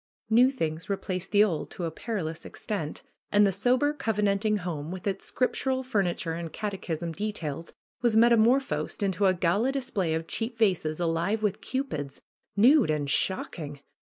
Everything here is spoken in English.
New things replaced the old to a perilous extent. And the sober, covenanting home, with its scriptural furni ture and catechism details, was metamorphosed into a gala display of cheap vases, alive with cupids (nude and shocking!)